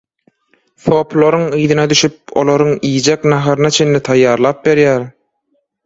Sopularyň yzyna düşüp, olaryň iýjek naharyna çenli taýýarlap berýär.